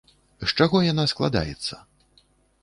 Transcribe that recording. З чаго яна складаецца?